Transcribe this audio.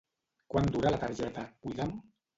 Quant dura la targeta Cuida'm?